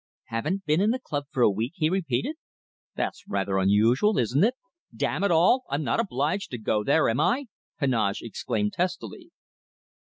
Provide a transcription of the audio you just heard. "Haven't been in the club for a week?" he repeated. "That's rather unusual, isn't it?" "Damn it all! I'm not obliged to go there, am I?" Heneage exclaimed testily.